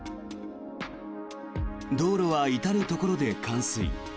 道路は至るところで冠水。